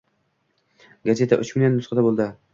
Gazeta... uch million nusxada bo‘ldi.